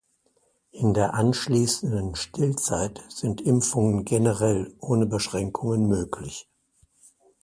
In der anschließenden Stillzeit sind Impfungen generell ohne Beschränkungen möglich.